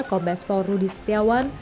kombes paul rudi setiawan